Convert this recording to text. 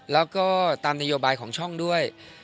แล้วก็ตามนโยบายของช่องด้วย